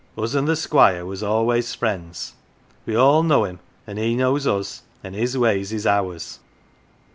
Us an' the Squire was always friends. We all know him, and he knows us, and his ways is ours.